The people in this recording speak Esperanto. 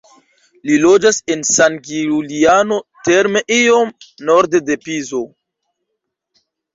Li loĝas en San Giuliano Terme iom norde de Pizo.